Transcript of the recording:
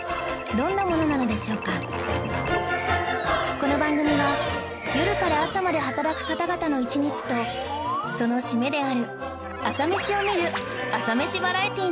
この番組は夜から朝まで働く方々の一日とその締めである朝メシを見る朝メシバラエティーなのです